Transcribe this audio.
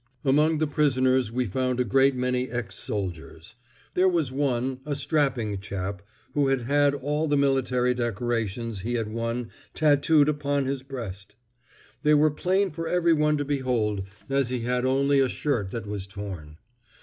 Among the prisoners we found a great many ex soldiers. There was one, a strapping chap, who had had all the military decorations he had won tatooed upon his breast. They were plain for everyone to behold as he had only a shirt that was torn.